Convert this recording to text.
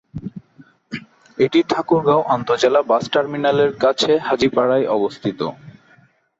এটি ঠাকুরগাঁও আন্ত:জেলা বাস টার্মিনালের কাছে হাজীপাড়ায় অবস্থিত।